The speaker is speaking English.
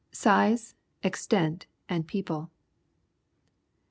Size, Extent, and People.